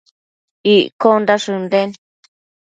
Iccondash ënden